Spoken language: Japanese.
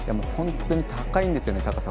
本当に高いんですよね。